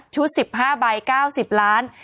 ๑๕ใบ๙๐ล้าน